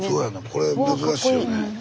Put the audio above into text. これ珍しいよね。